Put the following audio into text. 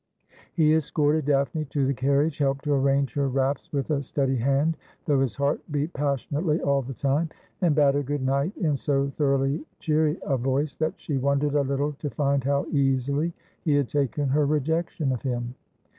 He escorted Daphne to the carriage, helped to arrange her wraps vsdth a steady hand, though his heart beat passionately all the time ; and bade her good night in so thoroughly cheery a voice, that she wondered a little to find how easily he had taken her rejection of him.